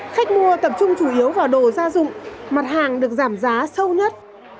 khách mua tập trung chủ yếu vào đồ gia dụng mặt hàng được giảm giá sâu nhất